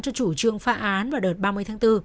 cho chủ trương phá án vào đợt ba mươi tháng bốn